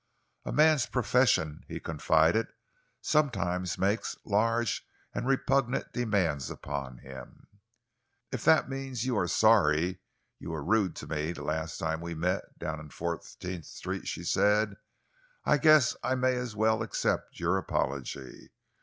"A man's profession," he confided, "sometimes makes large and repugnant demands upon him." "If that means you are sorry you were rude to me last time we met down in Fourteenth Street," she said, "I guess I may as well accept your apology.